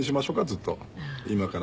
ずっと今から。